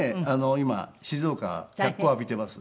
今静岡脚光を浴びています。